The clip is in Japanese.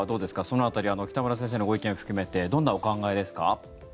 その辺り北村先生のご意見含めてどんなお考えですか？